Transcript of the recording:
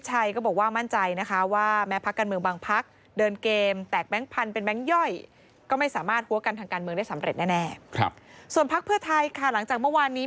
ส่วนพักเพื่อไทยค่ะหลังจากเมื่อวานนี้